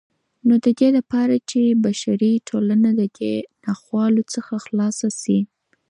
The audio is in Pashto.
نو ددې دپاره چې بشري ټولنه ددې ناخوالو څخه خلاصه سي